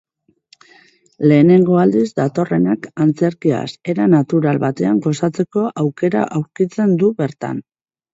Lehenengo aldiz datorrenak antzerkiaz era natural batean gozatzeko aukera aurkitzen du bertan.